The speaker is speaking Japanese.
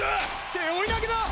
背負い投げだ！